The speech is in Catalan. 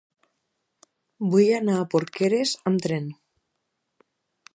Vull anar a Porqueres amb tren.